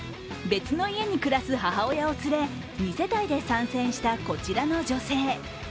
別の家に暮らす母親を連れ２世帯で参戦したこちらの女性。